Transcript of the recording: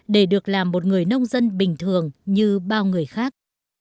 để được làm một người nông dân bình thường như bao người khác